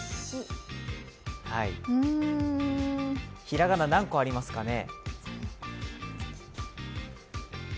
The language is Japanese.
ひらがな、何個ありますかね？